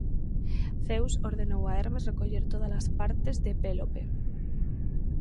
Zeus ordenou a Hermes recoller tódalas partes de Pélope.